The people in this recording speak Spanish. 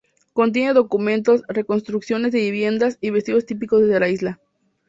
Contiene documentos, reconstrucciones de viviendas y vestidos típicos de la isla.